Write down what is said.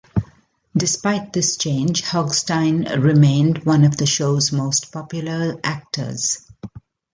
Despite this change, Hogestyn remained one of the show's most popular actors.